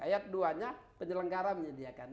ayat dua nya penyelenggara menyediakan